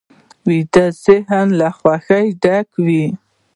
ویده ذهن له خوښیو ډک وي